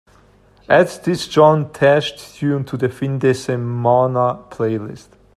Add this John Tesh tune to the friendesemana playlist